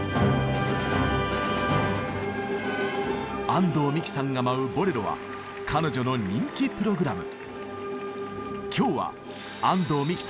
安藤美姫さんが舞う「ボレロ」は彼女の人気プログラム。